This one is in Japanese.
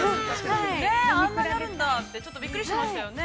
あんなにあるんだって、ちょっとびっくりしましたよね。